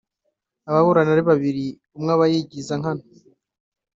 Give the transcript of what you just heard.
Ababurana ari babiri umwe aba yigiza nkana